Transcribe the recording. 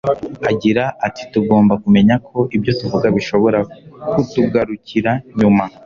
Agira ati Tugomba kumenya ko ibyo tuvuga bishobora kutugarukira nyuma